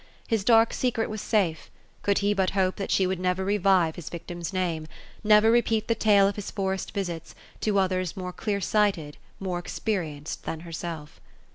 His dark secret was safe, could he but hope that she would never revive his vic tim's name ; never repeat the tale of his forest visits, to others more clear sighted, more experienced, than herself.